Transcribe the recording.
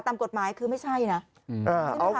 ตามกฎหมายคือไม่ใช่นะ